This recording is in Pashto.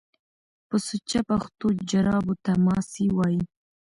په سوچه پښتو جرابو ته ماسۍ وايي